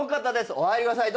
お入りください。